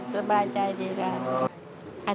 สบายใจจริงครับ